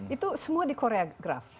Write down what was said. itu semua dikoreografi